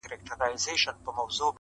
موږ ته مو قسمت پیالې نسکوري کړې د میو-